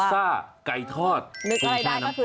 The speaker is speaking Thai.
พิซซ่าไก่ทอดปรุงแช่น้ำปลา